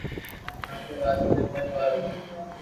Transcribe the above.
آپري والدين جا پنج ٻار هئا